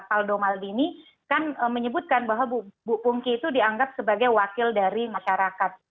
faldo maldini kan menyebutkan bahwa bu pungki itu dianggap sebagai wakil dari masyarakat